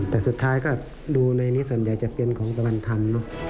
แต่สุดท้ายก็ดูในนี้ส่วนใหญ่จะเป็นของตะวันธรรมเนอะ